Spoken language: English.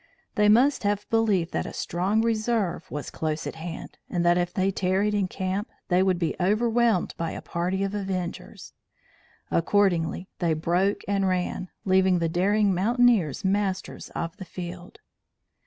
They must have believed that a strong reserve was close at hand and that if they tarried in camp they would be overwhelmed by a party of avengers. Accordingly they broke and ran, leaving the daring mountaineers masters of the field.